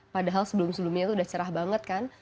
padahal sebelum sebelumnya itu udah cerah banget kan